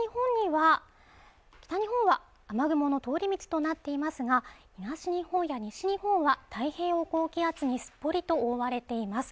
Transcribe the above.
北日本は雨雲の通り道となっていますが東日本や西日本は太平洋高気圧にすっぽりと覆われています